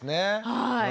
はい。